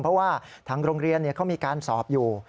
เพราะว่าทางโรงเรียนเขามีการสอบอยู่